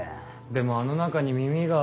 でもあの中に耳が。